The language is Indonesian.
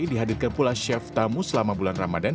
dihadirkan pula chef tamu selama bulan ramadan